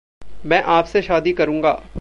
मैं आप से शादी करूंगा।